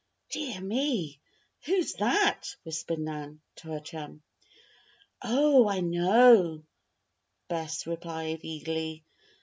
"Dear me! who's that?" whispered Nan, to her chum. "Oh! I know," Bess replied eagerly.